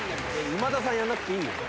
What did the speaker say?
今田さんやんなくていいよ。